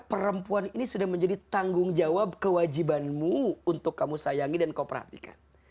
perempuan ini sudah menjadi tanggung jawab kewajibanmu untuk kamu sayangi dan kau perhatikan